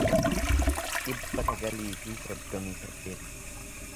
dhibba sagalii fi soddomii saddeet